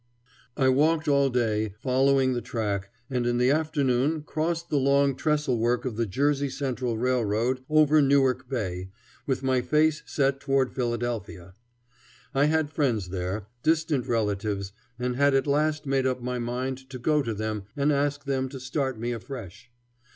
I walked all day, following the track, and in the afternoon crossed the long trestlework of the Jersey Central Railroad over Newark Bay, with my face set toward Philadelphia. I had friends there, distant relatives, and had at last made up my mind to go to them and ask them to start me afresh.